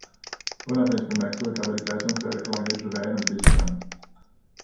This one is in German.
Unabhängig von Maxwell gab er die Gleichungen für elektromagnetische Wellen und Licht an.